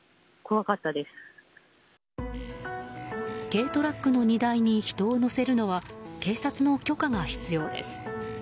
軽トラックの荷台に人を乗せるのは警察の許可が必要です。